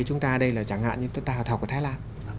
chúng ta ở đây là chẳng hạn như chúng ta học ở thái lan